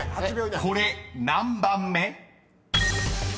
［これ何番目？］